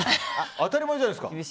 当たり前じゃないですか。